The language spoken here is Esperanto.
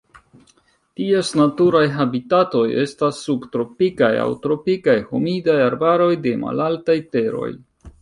Ties naturaj habitatoj estas subtropikaj aŭ tropikaj humidaj arbaroj de malaltaj teroj.